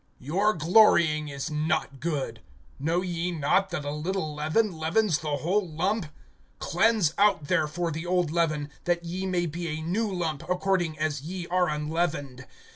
(6)Your glorying is not good. Know ye not that a little leaven leavens the whole lump? (7)Cleanse out therefore the old leaven, that ye may be a new lump, according as ye are unleavened.